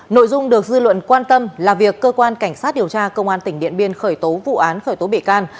nội dung được dư luận quan tâm là việc cơ quan cảnh sát điều tra công an tỉnh điện biên khởi tố vụ án khởi tố bị can